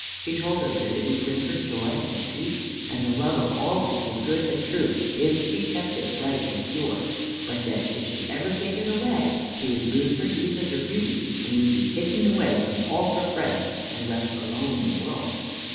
She told her that it would bring her joy and peace and the love of all who were good and true, if she kept it bright and pure; but that, if she ever gave it away, she would lose her youth and her beauty, and would be hidden away from all her friends and left alone in the world.